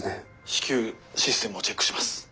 至急システムをチェックします。